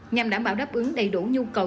nhằm đảm bảo đáp ứng đầy đủ nhu cầu